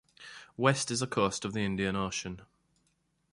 West is the coast of the Indian Ocean.